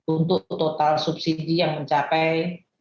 untuk total subsidi yang mencapai